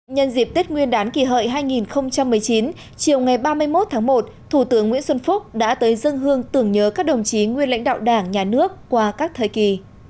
nhân dịp tết nguyên đán kỷ hợi hai nghìn một mươi chín chiều ngày ba mươi một tháng một thủ tướng nguyễn xuân phúc đã tới dân hương tưởng nhớ các đồng chí nguyên lãnh đạo đảng nhà nước qua các thời kỳ